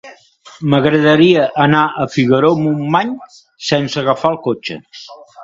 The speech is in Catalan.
M'agradaria anar a Figaró-Montmany sense agafar el cotxe.